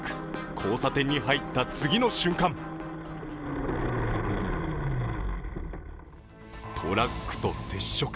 交差点に入った次の瞬間トラックと接触。